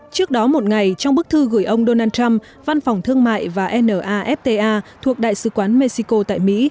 trước đó một ngày trong bức thư gửi ông donald trump văn phòng thương mại và nafta thuộc đại sứ quán mexico tại mỹ